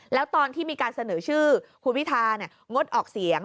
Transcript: แล้วตอนที่มีการเสนอชื่อคุณพิธางดออกเสียง